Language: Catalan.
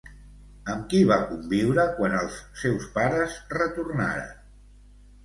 Amb qui va conviure quan els seus pares retornaren?